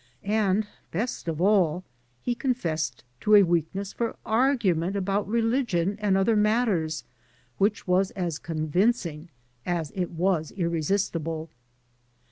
And, best of all, he confessed to a weakness for argument about religion and other matters which was as convinc ing as it was irresistible.